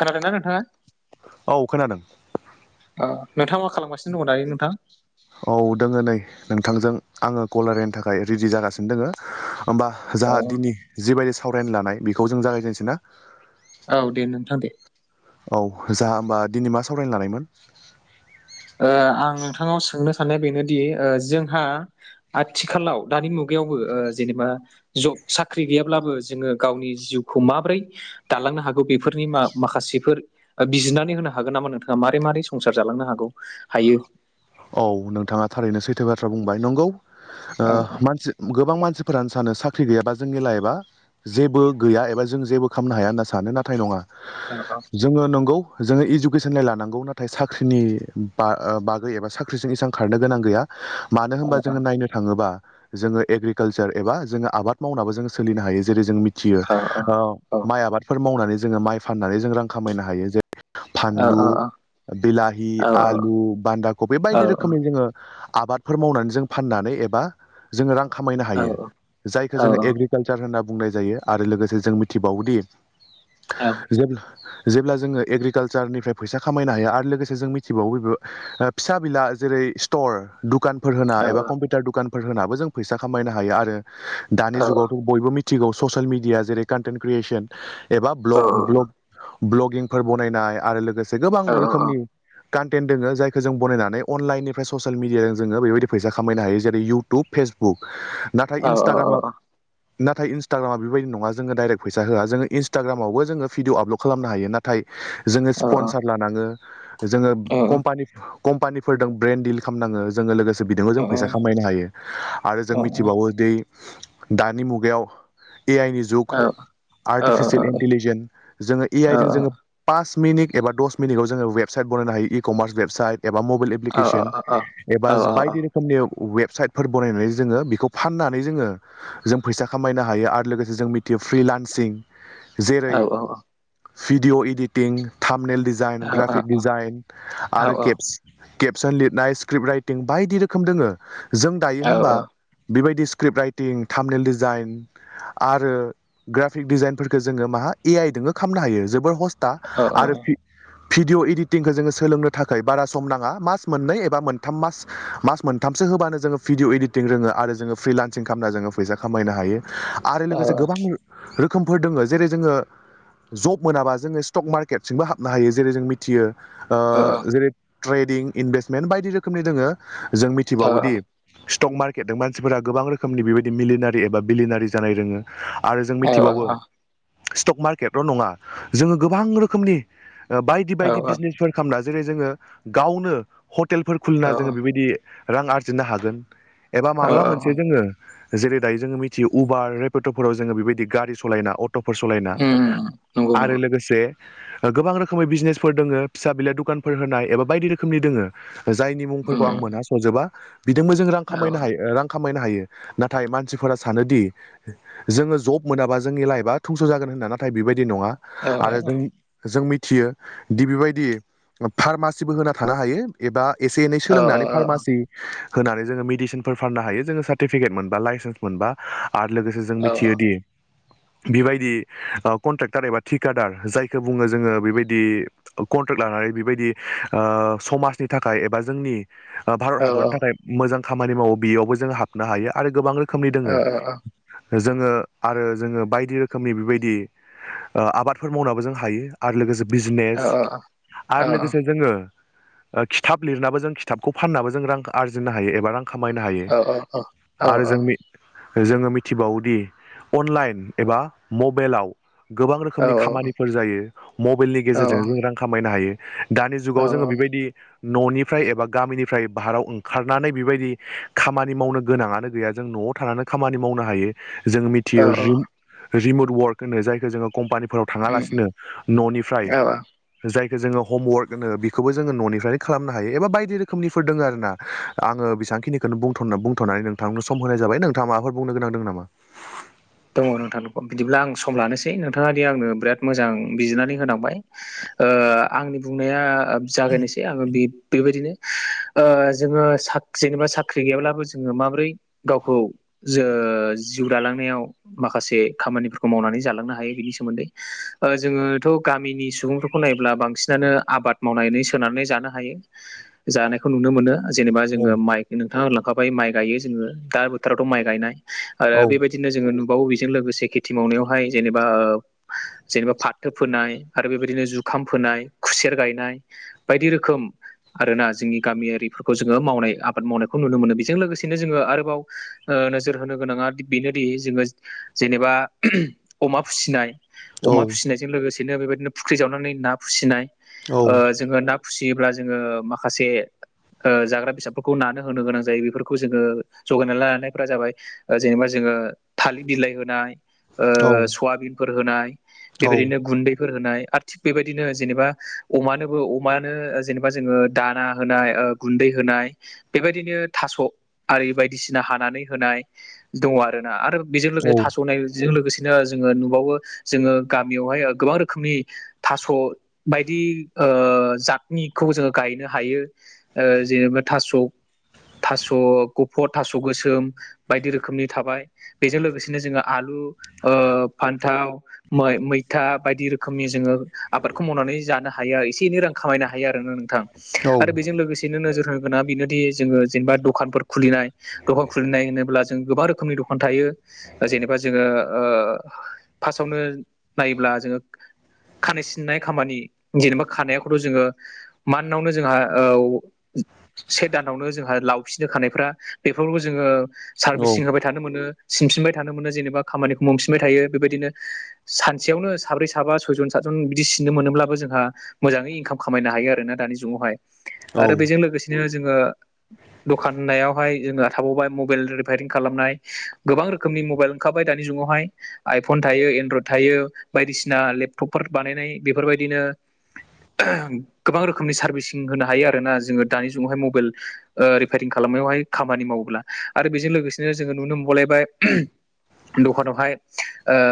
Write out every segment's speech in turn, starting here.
खोनादों ना नोंथाङा? औ खोनादों। ओ नोंथाङ मा खालामगासिनो दङ दायो नोंथां? औ दोङो नै नोंथांजों आङो कल रायलायनो थाखाय रेडि जागासिनो दोङो। होमबा अ जाहा दिनै जिबायदि सावरायनो लानाय बेखौ जों जागाय जेनसैना? औ दे नोंथां दे। औ जाहा होमबा दिनै मा सावरायनो लानायमोन? ओ आं नोंथांव सोंनो साननाया बेनोदि ओ जोंहा आथिखालाव दानि मुगायावबो ओ जेनेबा जब साख्रि गैयाब्लाबो जोङो गावनि जिउखौ माब्रै दालांनो हागौ बेफोरनि मा-माखासेफोर ओ बिजिरनानै होनो हागोन नामा नोंथाङा मारै मारै संसार जालांनो हागौ, हायो? औ नोंथाङा थारैनो सैथो बाथ्रा बुंबाय नंगौ ओ औ मानसि गोबां मानसिफोरानो सानो साख्रि गैयाबा जोंनि लाइफआ जेबो गैया एबा जों जेबो खालामनो हाया होनना सानो नाथाय नङा। [unintelligible] जोङो नंगौ जोङो इडुकेसन लाय लानांगौ नाथाय साख्रिनि बा ओ बागै एबा सा ख्रिजों इसां खारनो गोनां गैया। मानो औ होमबा जोङो नायनो थाङोबा जोङो एग्रिकाल्सार एबा जोङो आबाद मावनाबो जों सोलिनो हायो। जेरै- जों मिथियो औ ओ माइ आबादफोर मावनानै जोङो माइ फाननानै जों रां खामायनो हायो जों जे औ फानलु, बिलाहि, औ औ आलु, बान्दा कफि औ बायदि रोखोमनि जोङो आबादफोर मावनानै जों फाननानै एबा जोङो रां खामायनो हायो। औ जायखौ जोङो एग्रि कालसार होनना बुंनाय जायो आरो लोगोसे जों मिथिबावोदि औ जेब्ला-जेब्ला जोङो एग्रिकालसारनिफ्राय फैसा खामायनो हायो आरो लोगोसे जों मिथिबावो बे ओ फिसा बिला जेरै- स्टर दुखानफोर होना एबा औ कम्पिउटार दुखान फोर होनाबो जों फैसा खामायनो हायो आरो दानि जुगाव बयबो मिथिगौ ससियेल मिडिया जेरै कान्टेन्ट क्रियेसन एबा ब्लग ब्लग ब्लगिंफोर बनायनाय आरो लोगोसे गोबां औ औ औ रोखोमनि कान्टेन्ट दोङो जाय खौ जों बनायनानै अनलाइननिफाय ससियेल मिडिया जोङो बेबायदि फैसा खामायनो हायो जेरै इउटुब फेसबुक नाथाय नंगौ इनस्टाग्रामा नंगौ औ नाथाय इस्टाग्रामा बेबायदि नङा जोङो दाइरेक फैसा होआ जोङो इनस्टाग्रामावबो जोङो भिदिअ आपलड खालामनो हायो ना फ्राय जोङो स्पनसार लानाङो जोङो कम्पानि कम्पानिफोरदों ब्रेन खामनाङो जोङो लोगोसे बिदोबो जों फैसा खामायनो हायो आरो जों मिथिबावो दि दानि मुगायाव ए आइ नि जुग आर्टिफिसियेल इन्टिलिजेन्स जोङो ए आइजों जोङो पास मिनिट एबा दस मिनिटआव जोङो वेबसाइट बनायनोायो इ कमार्स वेबसाइट एबा मबाइल एप्लिकेसन एबा बायदि रो खोमनि वेबसाइटफोर बनायनानै जोङो बेखौ फाननानै जोङो जों फैसा खामायनो हायो आरो लोगोसे जों मिथियो फ्रिलान्सिं जेरै video editing thumbnail designing, graphic design आरो खेब-खेबसन लिरनाय स्क्रिप्ट राइटिं बायदि रो खोम दोङो जों दायो होमबा बेबायदि स्क्रिप्ट राइटिं थामनेल डिजाइन आरो ग्राफिक डिजाइनफोरखौ जोङो माहा ए आइ दोंबो खालामनो हायो जोबोर ह ता आरो भि-भिडिअ इडिटिंखो जोङो सोलोंनो थाख खै बारा सम नाङा मास मोननै एबा मोनथाम मास मास मोनथामसो होबानो जोङो भिडिअ इडिट टिं रोङो आरो जोङो फ्रिलान्सिं खामना जोङो आरो लोगोसे गोबां रोखोमफोर दोङो जेरै जोङो जब मोनाबा जोङो स्टक मार्केट सिमबो हाबनो हायो जेरै जों मि थियो ओ जैरै ट्रेदिं इनभेस्मेन्ट बायदि रोखोमनि दोङो जों मिथ मिथिबावोदि स्टक मार्केटदों मानसिफोरा गोबां रोखोमनि बिबायदि मिलिनारि एबा बिलिनारि जानाय रोङो आरो जों मिथिबावो स्टक मार्केटल' नङा जोङो गोबां रोखोमनि ओ बायदि बायदि बिजनेसफोर खामना जेरै जोङो गावनो हटेलफोर खुलिना जोङो बिबायदि रां आरजिनो हागोन एबा माब्ला मोनसे जोङो जेरै दायो जोङो मिथियो उबार रेपेट'फोराव जोङो बेबायदि गारि सलायना अट ट'फोर सलायना आरो लोगोसे ओ गोबां रोखोमै बिजनेसफोर दोङो फिसा बिला दुकानफोर होनाय एबा बायदि रोखोमनि दोङो। जायनि मुंफोरखौ आं मोनहा सजोबा बिदोंबो जों रां खामायनो हायो ओ रां खामायनो हायो नाथाय मानसिफोरा सानोदि जोङो जब मोनाबा जोंनि लाइफआ थंस' जागोन होनना नाथाय बिबायदि नङा। आरो जों जों मिथियो दि बिबायदि फार्मासिबो होना थानो हायो। एबा एसे एनै सोलोंनानै फार्मासि होनानै जोङो मेडिसिनफोर फाननो हायो जोङो सार्टिफिकेट मोनबा लाइसेन्स मोनबा। आरो लोगोसे जों मिथियोदि बिबायदि ओ कन्ट्रेक्टार एबा थिकादार जायखौ बुङो जोङो बिबायदि अ कन्ट्रेक्ट लानानै बिबायदि ओ समाजनि थाखाय एबा जोंनि ओ भारत हादरनि थाखाय मोजां खामानि मावो बेयावबो जोङो हाबनो हायो आरो गोबां रोखोमनि दोङो। जोङो आरो जोङो बायदि रोखोमनि बिबायदि ओ आबादफोर मावनाबो जों हायो। आरो लोगोसे बिजनेस आरो लोगोसे जोङो ओ खिथाब लिरनाबो जों खिथाबखौ फाननाबो जों रां आरजिनो हायो एबा रां खामायनो हायो आरो जोंनि जोङो मिथिबावोदि अनलाइन एबा मबेलाव गोबां रोखोमनि खामानिफोर जायो मबेइलनि गेजेरजों जों रां खामायनो हायो। दानि जुगाव जोङो बिबायदि न'निफ्राय एबा गामिनिफ्राय बाहाराव ओंखारनानै बिबायदि खामानि मावनो गोनाङानो गैया जों न'आव थानानै खामानि मावनो हायो जों मिथियो रि-रिमुट वरख होनो जायखो जोङो कम्पानि फोराव थाङालासिनो औ न'निफ्राय औ औ जायखो जोङो हमवर्क होनो बेखौबो जोङो न'निफ्रायनो खालामनो हायो एबा बायदि रोखोमनिफोर दोङ आरोना आङो बेसांखिनिखौनोथ बुथ' बुंथ'नानै नोंथांनो सम होनाय जाबाय नोंथाङा माबाफोर बुंनो गोनां दों नामा दङ नोंथांखौ बिदिब्ला आं सम लानोसै नोंथाङा दि आंनो बिराद मोजां बिजिरनानै होनांबाय ओ आंनि बुंनाया जागायनोसै आङो बे बेबायदिनो ओ जोङो साकख्रि साख्रि गैयाब्लाबो जोङो माबोरै गावखौ जो जिउ दालांनायाव माखासे खामानिफोरखौ मावनानै जालांनो हायो बिनि सोमोन्दै ओ जोङोथ' गामिनि सुबुंफोरखौ नायोब्ला बांसिनानो आबाद मावनानै सोनानै जानो हायो जानायखौ नुनो मोनो जेनेबा औ जोङो माइ नोंथाङा लांखाबाय माइ गायो जोङो दा बोथोरावथ' माइ गायनाय आरो औ बेबायदि दिनो जोङो नुबावो बेजों लोगोसे खेथि मावनायावहाय जेनेबा जेनेबा फाथो फोनाय आरो बेबायदिनो जुखाम फोनाय खुसेर गायनाय बायदि रोखोम आरोना जोंनि गामियारिफोरखौ जोङो मावनाय आबाद मावनायखौ नुनो मोनो बेजों लोगोसेनो जोङो आरोबाव ओ नोजोर होनो गोनाङा बेनोदि जोङो जेनेबा अमा फिसिनाय अमा औ फिसिनाय जों लोगोसेनो बेबादिनो फुख्रि जावनानै ना फुसिनाय औ ओ जोङो ना फुसियोब्ला जोङो माखासे ओ जाग्रा बेसादफोरखौ नानो होनो गोनां जायो बेफोरखौ जोङो जगायना लानानैफोरा जाबाय ओ जेनेबा जोङो थालिर बिलाइ होनाय औ ओ सआबिनफोर होनाय औ बेबायदिनो गुन्दैफोर होनाय आरो थिग बेबायदिनो जेनेबा अमानोबो अमानो जेनेबा जोङो दाना होनाय गुन्दै होनाय बेबायदिनो थास' आरि बायदिसिना हानानै होनाय दङ आरोना आरो बेजों लोगोसे थास'नायजों लोगोसेनो जोङो नुबावो जोङो गामियावहाय गोबां रोखोमनि थास' बायदि ओ जतनिखौ जोङो गायनो हायो ओ जेनेबा थास' थास' गफ' थास' गोसोम बायदि रोखोमनि थाबाय बेजों लोगोसेनो जोङो आलु ओ फान्थाव मैथा बायदि रोखोमनि जोङो आबादखौ मावनानै जानो हाया एसे एनै रां खामायनो हायो आरोना नोंथां औ आरो बेजों लोगोसे नो नोजोर होनोगोना बेनोदि जोङो जेनेबा दखानफोर खुलिनाय दखान खुलिनाय होनोब्ला जों गोबां रोखोमनि दखान थायो जेनेबा जोङो ओ फार्स्टआवनो नायोब्ला जोङो खानाय सिननाय खामानि जेनेबा खानायाखौथ' जोङो मान्वनो जोंहा औ से दानावनो जोंहा लावफिननो खानायफ्रा बेफोरावबो जोङो सार्भिसिं होबाय थानो मोनो सिनफिनबाय थानो मोनो जेनेबा खामानिखौ मोनफिनबाय थायो बेबायदिनो सानसेयावनो साब्रै साबा सय जन सात जन बिदि सिननो मोनोब्लाबो जोंहा मोजाङै इनकाम खामायनो हायो आरो ना दानि जुगावहाय आरो बेजों लोगोसे बिदिनो जोङो दखान होननायावहाय जोङो थाबावबाय मबाइल रिफायारिं खालामनाय गोबां रोखोमनि मबाइल ओंखारबाय दानि जुगावहाय आइफन थायो एनड्रइड थायो बायदिसिना लेपटपफोर बानायनाय बेफोरबायदिनो गोबां रोखोमनि सारभिसिं होनो हायो आरोोना जोङो दानि जुगावहाय मबेल ओ रिफेरिं खालामनायावहाय खामानि मावोब्ला आरो बेजों लोगोसेनो जोङो नुनो मोनबावलायबाय दखानावहाय ओ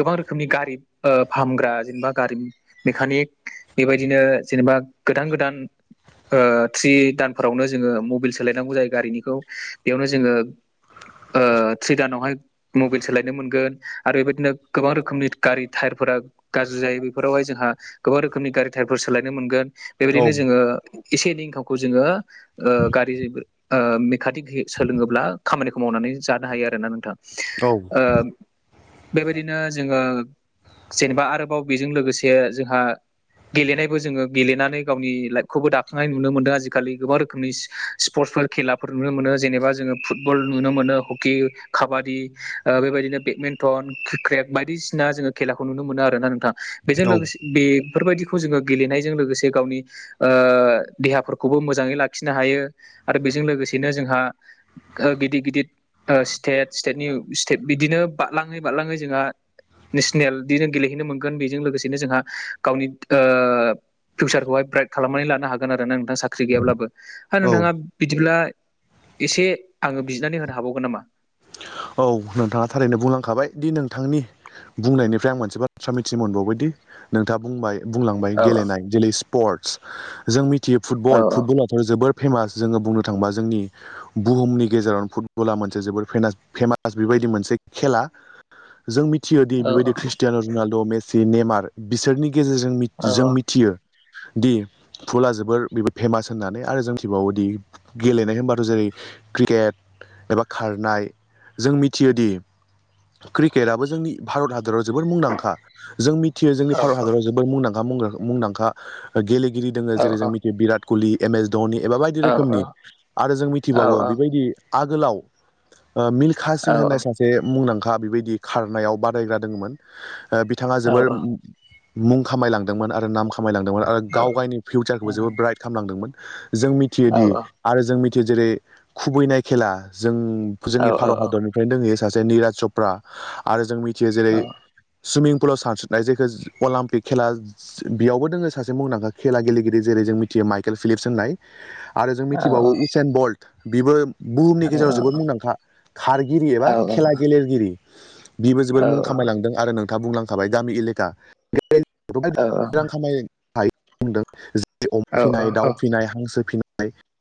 गोबां रोखोमनि गारि ओ फाहामग्रा जेनेबा गारि मेकानिक बेबायदिनो जेनेबा गोदान गोदान ओ थ्रि दानफोरावनो जोङो मबिल सोलायनांगौ जायो गारिनिखौ बेयावनो जोङो ओ थ्रि दानावहाय मबिल सोलायनो मोनगोन आरो बेबायदिनो गोबां रोखोमनि गारि टायारफोरा गाज्रि जायो बेफोरावहाय जोंहा गोबां रोखोमनि गारि थारफोर सोलायनो मोनगोन बेबायदिनो औ जोङो एसे एनै इनकामखौ जोङो ओ गारि ओ मेखानिक सोलोङोब्ला खामानिखौ मावनानै जानो हायो आरो ना नोंथां बेबायदिनो जोङो जेनेबा आरोबाव बेजों लोगोसे जोंहा गेलेनायबो जोङो गेलेनानै गावनि लाइफखौबो दाखांनाय नुनो मोन्दों आजिखालि गोबां रोखोमनि स्पर्टसफोर खेलाफोर नुनो मोनो जेनेबा जोङो फुटबल नुनो मोनो हक कि, काबादि बेबायदिनो बेदमिन्टन, क्रिकेट बायदिसिना जोङो खेलाखौ नुनो मोनो आरोना नोंथाङा बेजों औ लोगोसे बेफोरबायदिखौ जोङो गेलेनायजों लोगोसे गावनि ओ देहाफोरखौबो मोजाङै लाखिनो हायो आरो बेजों लोगोसेनो जोंहा ओ गिदिर गिदिर स्टेट स्टेटनि स्टेट बिदिनो बारलाङै बारलाङै जोंहा नेसनेल बिनो गेलेहैनो मोनगोन बेजों लोगोसेनो जोंहा गावनि ओ फिउचारखौहाय ब्राइट खालामनानै लानो हागोन नोंथां साख ख्रि गैयाब्लाबो ह औ नोंथाङा बिदिब्ला एसे आङो बिजिरनानै होनो हाबावगोन नामा [inaudible] औ नोंथाङा थारैनो बुंलांखाबाय दि नोंथांनि बुंनायनिफ्राय आं मोनसे बाथ्रा मिथिनो मोनबावबायदि नोंथाङा बुंबाय बुंलांबाय औ गेलेनाय जेरै स्पर्टस जों मिथियो औ फुटबल फुटबला जोबोर फेमास जोङो बुंनो थाङोबा जोंनि बुहुमनि गेजेरावनो फुटबला मोनसे जोबोर फेमास। फेमास बेबायदि मोनसे खेला जों मिथियोदि औ बेबायदि ख्रिस्टियान रुनाल्द', मेसि, नेमार बिसोरनि गेजेरजों औ जों मिथियो दि फुला जोबोर बेबो फेमास होननानै आरो जों मिथिबावोदि गेलेनाय होनबाथ' जेरै क्रिकेट एबा खारनाय जों मिथियोदि क्रिकेटआबो जोंनि भारत हादराव जोबोद मुंदांखा जों मिथियो जोंनि औ भारत हादराव जोबोर मुंदांखा मुंदांखा गेलेगिरि दोङो औ जेरै जों मिथियो बिराद कुलि एम एस धनि एबा बायदि रोखोमनि आरो जों मिथिबावो बेबायदि आगोलाव ओ मिल्खा सिं होननाय सासे मुंदां खा बेबायदि खारनायाव बादायग्रा दोंमोन ओ बिथाङा जोबोर औ मुं खामायलांदोंमोन आरो नाम खामायलांदोंमोन आरो गाव गावनि फिउचारखौबो जोबोद ब्राइट खामलांदोंमोन जों औ मिथियोदि आरो जों मिथियो जेरै खुबैनाय खेला जों जोंनि भारत हादरनि फ्रायनो दंहयो सासे निराज चप्रा आरो जों मिथियो जेरै सुइमिं पुलाव सानस्रिनाय जायखौ अलिम्पिक खेला बेयावबो दोङो सासे मुंदांखा खेला गेलेगिरि जेरै जों मिथियो माइकेल फिलिप्स होननाय। आरो जों मिथिबावो उस एन बल्ट बिबो बुहुमनि गेजेराव जोबोद मुंदांखा खारगिरि एबा खेला गेलेगिरि। बिबो जोबोर मुं खामायलांदों आरो नोंथाङा बुंलांखाबाय गामि एलेखा [unintelligible] बुंदों जे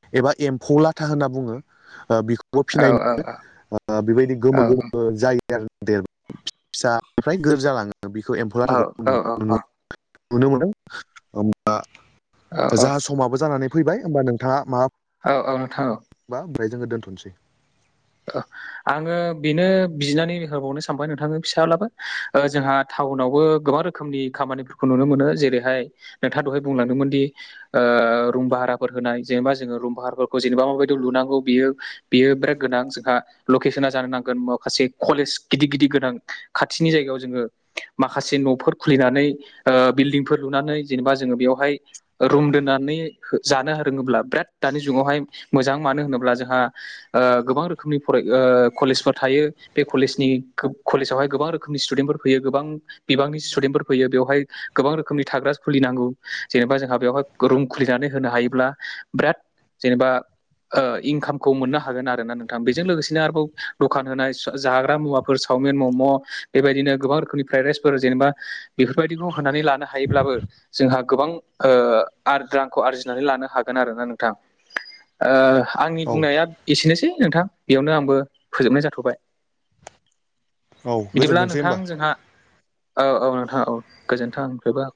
[unintelligible] एबा एमफौ लाथा होनना बुङो ओ बे खौ फिनाय नुयो बेबायदि गोमो गोमो [unintelligible] जालाङो बेखौ एम्फौ आथाखौ नुनो नुनो मोनो होमबा जा समाबो जानानै फैबाय होमबा नोंथाङा माबा औ औ नोंथां औ बा ओमफ्राय जोङो दोनथ'नोसै ओ आङो बेनो बिनानै हरबावनो सानबाय नोंथांनि फिसाब्लाबो ओ जोंहा टाउनावबो गोबां रो खोमनि खामानिफोरखौ नुनो मोनो जेरैहाय नोंथाङा दहाय बुंलांदोंमोन दि ओ रुम भाहाराफोर होनाय जेनेबा जोङो रुम भाहाराफोरखौ जेनेबा माबायदि लुनांगौ बेयो बेयो [unintelligible] गोनां जोंहा लकेसना जानो नांगोन माखासे कलेज गिदिर गिदिर गोनां खाथिनि जायगायाव जोङो माखासे न'फोर खुलिनानै ओ बिल्डिंफोर लुनानै जेनेबा जोङो बेवहाय रुम दोननानै जानो होङोब्ला बिराद दानि जुगावहाय मोजां मानो होनोब्ला जोंहा ओ गोबां रोखोमनि फराय ओ कलेजफोर थायो। बे कलेजनि कलेजावहाय गोबां रोखोमनि स्टुडेन्टफोर फैयो गोबां। बिबांनि स्टुदेन्टफोर फैयो बेवहाय गोबां रोखोमनि थाग्रा खुलिनांगौ जेनेबा जोंहा बेवहाय। रुम खुलिनानै होनो हायोब्ला बिराद जेनेबा इनकामखौ मोननो हागोन आरो। ना नोंथां बेजों लोगोसेनो आरोबाव दखान होनाय जाग्रा मुवाफोर चावमिन मम'। बेबायदिनो गोबां रोखोमनि फ्राइड राइसफोर जेनेबा बेफोरबायदिखौ होनानै लानो हायोब्लाबो जोंहा गोबां ओ आरो रांखौ आरजिनानै लानो हागोन आरोना नोंथां। ओ आंनि औ बुंनाया एसेनोसै नोंथां बेयावनो आंबो फोजोबनाय जाथ'बाय। औ बिदिब्ला गोजोनथोंसै होमबा नोंथां जोंहा औ औ नोंथां औ गोजोन्थोंफ्रायबो।